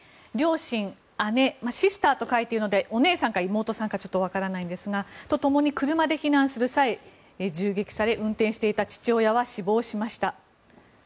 両親、姉シスターと書いているのでお姉さんか妹さんか分からないんですが共に車で避難する再銃撃され運転していた父親は死亡しました。